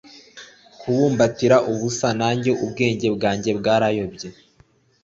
Kubumbatira ubusa nanjye ubwenge bwanjye bwarayobye